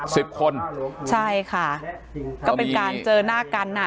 สิบคนใช่ค่ะก็เป็นการเจอหน้ากันอ่ะ